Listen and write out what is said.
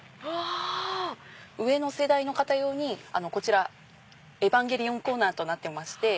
上の世代の方用にこちら『エヴァンゲリオン』コーナーとなってまして。